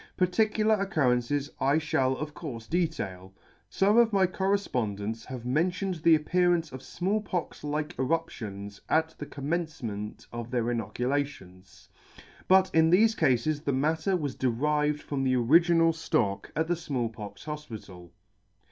Particular occurrences I {hall of courfe detail. Some of my corref Z pondent [ 1&2 ] pondents have mentioned the appearance of Small Pox like eruptions at the commencement of their inoculations ; but in thefe cafes the matter was derived from the original ftock at the Small pox Hofpital.